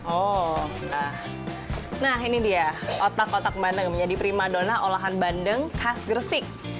oh nah ini dia otak otak bandeng menjadi prima dona olahan bandeng khas gresik